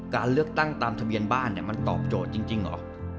การเลือกตั้งตามทะเบียนบ้านมันตอบโจทย์จริงเหรอ